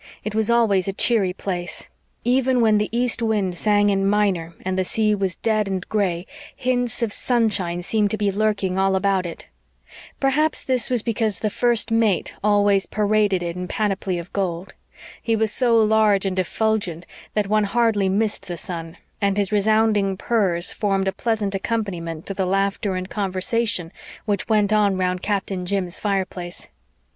It was always a cheery place. Even when the east wind sang in minor and the sea was dead and gray, hints of sunshine seemed to be lurking all about it. Perhaps this was because the First Mate always paraded it in panoply of gold. He was so large and effulgent that one hardly missed the sun, and his resounding purrs formed a pleasant accompaniment to the laughter and conversation which went on around Captain Jim's fireplace.